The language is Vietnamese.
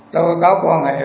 tôi có quan hệ